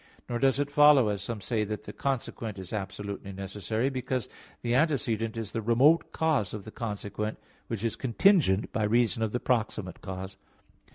Nor does it follow, as some say, that the consequent is absolutely necessary, because the antecedent is the remote cause of the consequent, which is contingent by reason of the proximate cause.